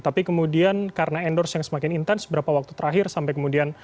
tapi kemudian karena endorse yang semakin intens beberapa waktu terakhir sampai kemudian